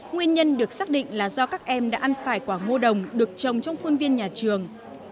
nguyên nhân được xác định là do các em đã ăn phải quả ngô đồng được trồng trong khuôn viên nhà trường